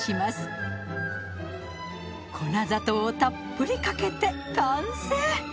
粉砂糖をたっぷりかけて完成。